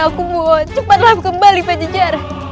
aku mohon cepatlah kembali ke jajaran